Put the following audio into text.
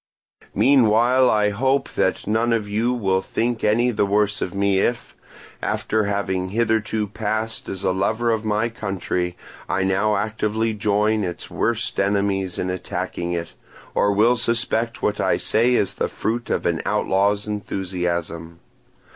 "Meanwhile I hope that none of you will think any the worse of me if, after having hitherto passed as a lover of my country, I now actively join its worst enemies in attacking it, or will suspect what I say as the fruit of an outlaw's enthusiasm.